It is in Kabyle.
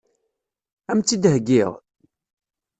Ad m-tt-id-heggiɣ?